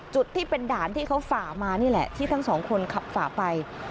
จุดที่เป็นด่านที่เขาฝ่ามานี่แหละที่ทั้งสองคนขับฝ่าไป